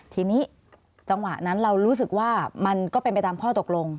ทีนี้จังหวะนั้นเรารู้สึกว่ามันก็เป็นไปตามข้อตกลง